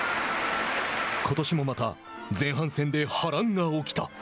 ことしもまた前半戦で波乱が起きた。